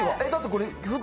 これ。